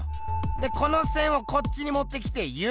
でこの線をこっちにもってきて「Ｕ」。